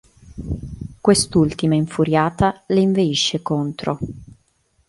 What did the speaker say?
Quest'ultima, infuriata, le inveisce contro.